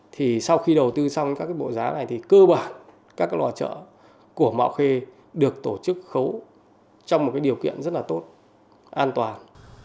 thì sau khi đầu tư xong các cái bộ giá này thì cơ bản các cái nòa chợ của mỏ bạo khê được tổ chức khấu trong một cái điều kiện rất là tốt an toàn